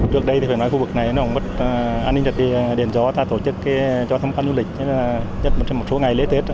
trước đây thì phải nói khu vực này nó không có an ninh trật điện gió ta tổ chức cho tham quan du lịch nhất một số ngày lễ tết